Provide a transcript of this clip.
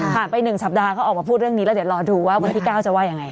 ไป๑สัปดาห์เขาออกมาพูดเรื่องนี้แล้วเดี๋ยวรอดูว่าวันที่๙จะว่ายังไง